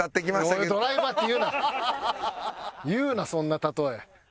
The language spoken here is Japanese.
言うなそんな例え。